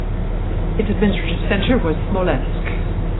Its administrative centre was Smolensk.